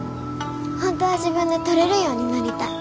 本当は自分で取れるようになりたい。